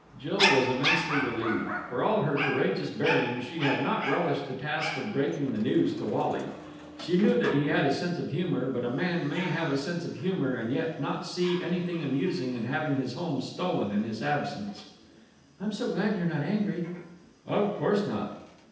Jill was immensely relieved. For all her courageous bearing, she had not relished the task of breaking the news to Wally. She knew that he had a sense of humour, but a man may have a sense of humour and yet not see anything amusing in having his home stolen in his absence. "I'm so glad you're not angry." "Of course not."